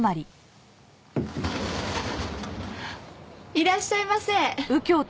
いらっしゃいませ。